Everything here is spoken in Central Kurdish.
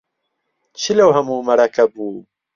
چ لەو هەموو مەرەکەب و